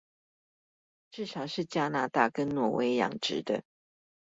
至少是加拿大跟挪威養殖的